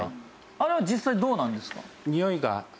あれは実際どうなんですか？